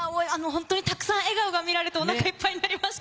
たくさん笑顔が見られて、お腹いっぱいになりました。